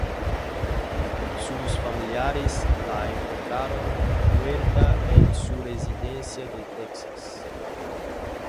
Sus familiares la encontraron muerta en su residencia de Texas.